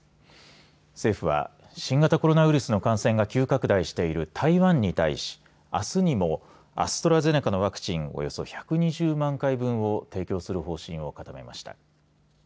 政府は新型コロナウイルスの感染が急拡大している台湾に対し、あすにもアストラゼネカのワクチンおよそ１２０万回分を提供する方針を固めました。